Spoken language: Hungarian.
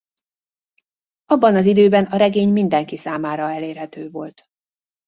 Abban az időben a regény mindenki számára elérhető volt.